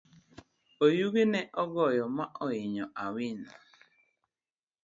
Oyugi ne ogoyo ma oinyo awino.